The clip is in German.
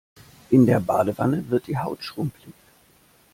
In der Badewanne wird die Haut schrumpelig.